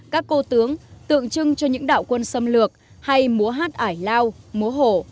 các cô tướng tượng trưng cho những đạo quân xâm lược hay múa hát ải lao múa hổ